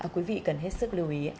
quý vị cần hết sức lưu ý